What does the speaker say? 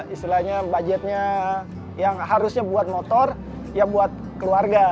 istilahnya budgetnya yang harusnya buat motor ya buat keluarga